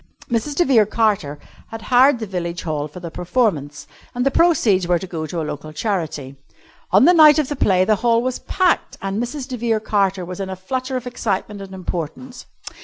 Mrs. de Vere Carter had hired the Village Hall for the performance, and the proceeds were to go to a local charity. On the night of the play the Hall was packed, and Mrs. de Vere Carter was in a flutter of excitement and importance.